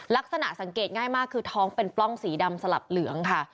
ลักษณะสังเกตง่ายมากคือท้องเป็นปล้องสีดำสลับเหลืองค่ะ